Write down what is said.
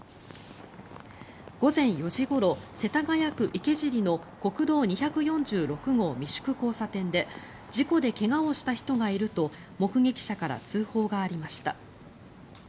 午前４時ごろ、世田谷区池尻の国道２４６号線三宿交差点で事故で怪我をした人がいると目撃者から通報がありました。